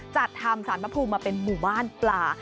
จัดทำสารพระภูมิมาเป็นหมู่บ้านปลา